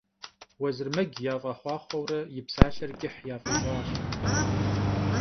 Vuezırmec yaf'exhuaxhueure yi psalher ç'ıh yaf'iş'aş.